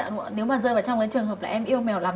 nếu mà rơi vào trong cái trường hợp là em yêu mèo lắm